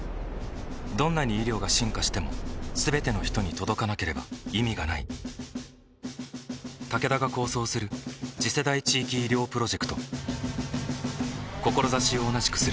どんなに医療が進化しても全ての人に届かなければ意味がないタケダが構想する次世代地域医療プロジェクト志を同じくするあらゆるパートナーと手を組んで実用化に挑む